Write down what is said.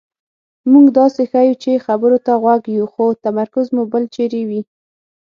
مونږ داسې ښیو چې خبرو ته غوږ یو خو تمرکز مو بل چېرې وي.